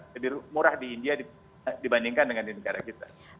lebih murah di india dibandingkan dengan di negara kita